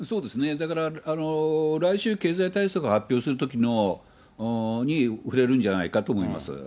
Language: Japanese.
だから、来週、経済対策を発表するときに触れるんじゃないかと思います。